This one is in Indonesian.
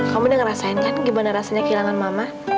kamu udah ngerasain kan gimana rasanya kehilangan mama